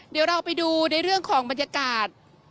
เดี๋ยวเราไปดูในเรื่องของบรรยากาศ